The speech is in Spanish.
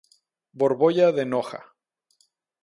Borbolla de Noja.